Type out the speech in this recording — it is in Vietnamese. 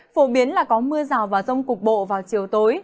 phổ biến là có mưa rào và rông cục bộ vào chiều tối